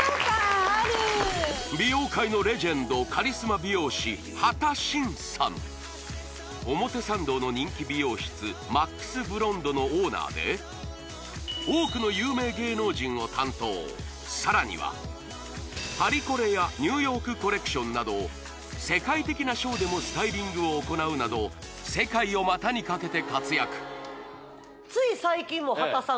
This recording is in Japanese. レジェンド感ある表参道の人気美容室ＭａｘＢｌｏｎｄｅのオーナーで多くの有名芸能人を担当さらにはパリコレやニューヨークコレクションなど世界的なショーでもスタイリングを行うなど世界をまたにかけて活躍そうですね